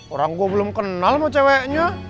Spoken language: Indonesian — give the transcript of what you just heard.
orang gue belum kenal sama ceweknya